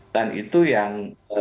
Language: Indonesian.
dan itu yang